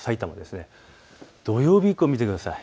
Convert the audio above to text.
土曜日以降を見てください。